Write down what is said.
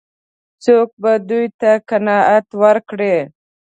څوک به دوی ته قناعت ورکړي؟